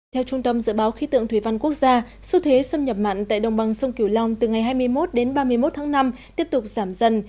theo trung tâm dự báo khí tượng thủy văn quốc gia xu thế xâm nhập mặn tại đồng bằng sông kiều long từ ngày hai mươi một đến ba mươi một tháng năm tiếp tục giảm dần